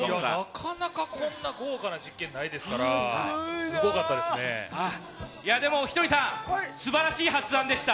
なかなかこんな豪華な実験ないですからひとりさん素晴らしい発案でした。